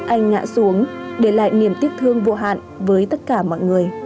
anh ngã xuống để lại niềm tiếc thương vô hạn với tất cả mọi người